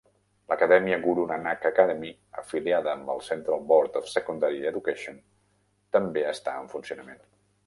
L'acadèmia Guru Nanak Academy, afiliada amb el Central Board of Secondary Education, també està en funcionament.